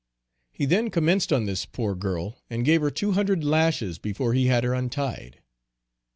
He then commenced on this poor girl, and gave her two hundred lashes before he had her untied.